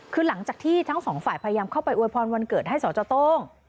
คือหลังจากที่ทั้งสองฝ่ายพยายามเข้าไปอวยพรวันเกิดให้สจโต้ง